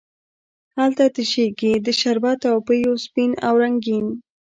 هلته تشیږې د شربت او پېو سپین او رنګین،